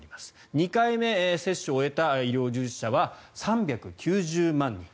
２回目の接種を終えた医療従事者は３９０万人。